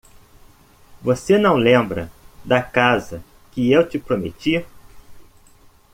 Você não lembra da casa que eu te prometi?